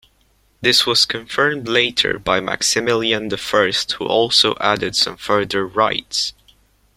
This was confirmed later by Maximilian the First who also added some further rights.